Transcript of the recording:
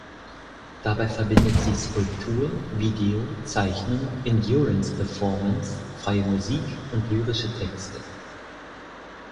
Dabei verbindet sie Skulptur, Video, Zeichnung, Indurance-Performance, freie Musik und lyrische Texte.